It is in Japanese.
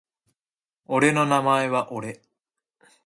俺の名前は俺